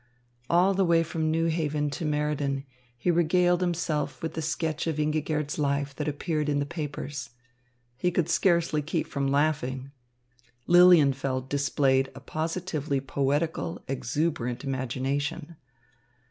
All the way from New Haven to Meriden he regaled himself with the sketch of Ingigerd's life that appeared in the papers. He could scarcely keep from laughing. Lilienfeld displayed a positively poetical, exuberant imagination.